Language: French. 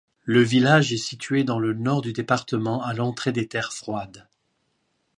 Le village est situé dans le nord du département, à l'entrée des terres froides.